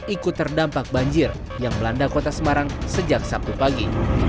ikut terdampak banjir yang melanda kota semarang sejak sabtu pagi